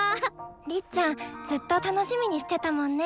りっちゃんずっと楽しみにしてたもんね。